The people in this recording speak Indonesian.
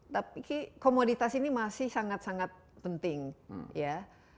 tapi komoditas ini masih sangat sangat penting ya